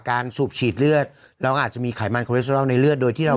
การสูบฉีดเลือดเราอาจจะมีไขมันในเลือดโดยที่เรา